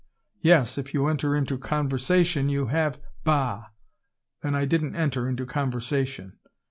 "Yes, if you enter into conversation, you have " "Bah, then I didn't enter into conversation.